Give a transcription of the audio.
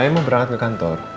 saya mau berangkat ke kantor